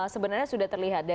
sebenarnya sudah terlihat